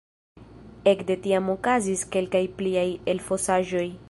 Ekde tiam okazis kelkaj pliaj elfosaĵoj.